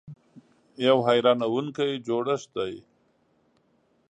یو حیرانونکی جوړښت دی .